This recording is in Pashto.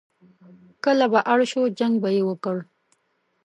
کله به اړ شو، جنګ به یې وکړ.